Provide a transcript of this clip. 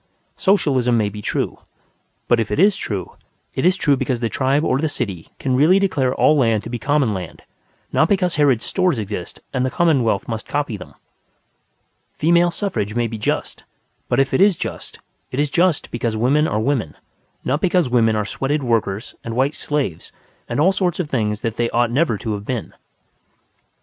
Socialism may be true. But if it is true, it is true because the tribe or the city can really declare all land to be common land, not because Harrod's Stores exist and the commonwealth must copy them. Female suffrage may be just. But if it is just, it is just because women are women, not because women are sweated workers and white slaves and all sorts of things that they ought never to have been.